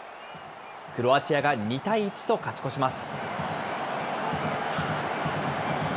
クロアチアが２対１と勝ち越します。